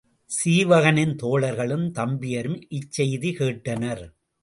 சீவகனின் தோழர்களும், தம்பியரும் இச்செய்தி கேட்டனர்.